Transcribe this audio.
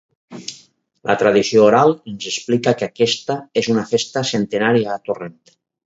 La tradició oral ens explica que aquesta és una festa centenària a Torrent.